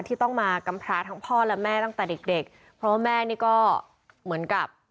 ที่ต้องมากำพราทั้งพ่อและแม่ตั้งแต่เด็กเด็กเพราะว่าแม่นี่ก็เหมือนกับ